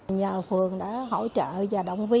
nhờ phường đã hỗ trợ và động viên